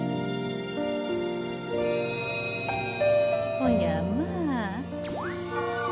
おやまあ。